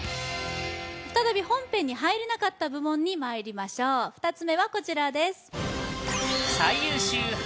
再び本編に入れなかった部門にまいりましょう２つ目はこちらです